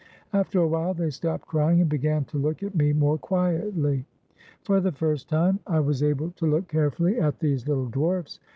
After a while they stopped crying, and began to look at me more quietly. For the first time I was able to look carefuUy at these Uttle dwarfs.